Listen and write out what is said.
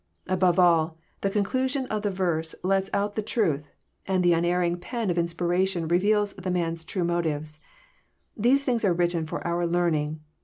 Above all, the conclusion of the verse lets out the truth, and the unerring pen of inspiration reveals the man's true motives. These things are written for our learning.